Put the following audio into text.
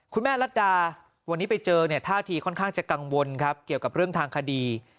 แม่รัฐดาวันนี้ไปเจอเนี่ยท่าทีค่อนข้างจะกังวลครับเกี่ยวกับเรื่องทางคดี